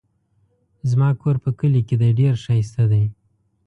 زما کور په کلي کې دی ډېر ښايسته دی